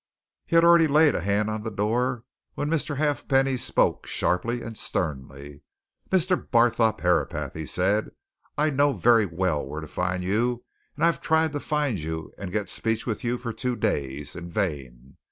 He had already laid a hand on the door when Mr. Halfpenny spoke sharply and sternly. "Mr. Barthorpe Herapath!" he said. "I know very well where to find you, and I have tried to find you and to get speech with you for two days in vain.